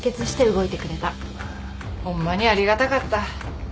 ホンマにありがたかった。